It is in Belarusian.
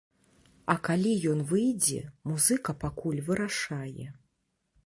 А калі ён выйдзе, музыка пакуль вырашае.